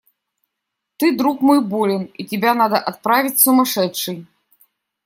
Ты, друг мой, болен, и тебя надо отправить в сумасшедший.